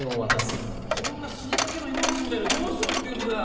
こんな死にかけのイモ虫みたいのどうしろって言うんだよ？